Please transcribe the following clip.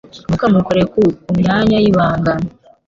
ntukamukore ku ku myanya y'ibanga